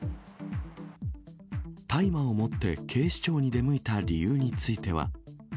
大麻を持って警視庁に出向いた理由については。